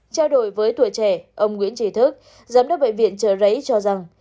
trao đổi với tuổi trẻ ông nguyễn trị thức giám đốc bệnh viện trợ rấy cho rằng